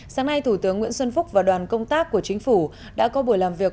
sáng nay thủ tướng nguyễn xuân phúc và đoàn công tác của chính phủ đã có buổi làm việc